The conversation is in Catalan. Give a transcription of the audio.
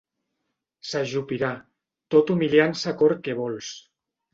S'ajupirà, tot humiliant-se a cor què vols.